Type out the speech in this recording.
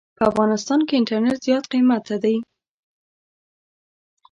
په افغانستان کې انټرنيټ زيات قيمته دي.